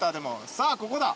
さあここだ。